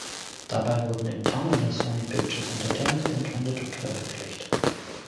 Dabei wurden Interna der Sony Pictures Entertainment entwendet und veröffentlicht.